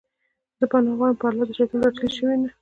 زه پناه غواړم په الله د شيطان رټلي شوي نه